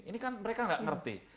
ini kan mereka nggak ngerti